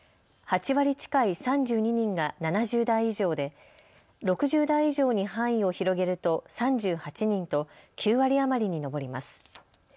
８割近い３２人が７０代以上で６０代以上に範囲を広げると３８人と９割余りに上ります。